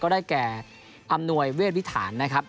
ได้แก่อำนวยเวทวิถานนะครับ